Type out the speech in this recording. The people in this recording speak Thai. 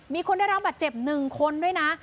มีคนได้รับเจ็บหนึ่งคนด้วยนะ